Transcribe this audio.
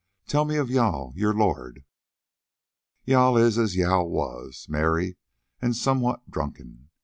"Tell me of Jâl, your lord." "Jâl is as Jâl was, merry and somewhat drunken.